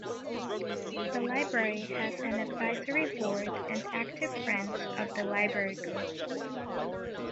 The library has an Advisory Board and active Friends of the Library group.